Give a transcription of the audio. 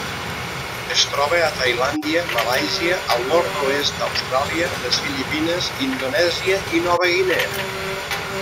Es troba a Tailàndia, Malàisia, el nord-oest d'Austràlia, les Filipines, Indonèsia i Nova Guinea.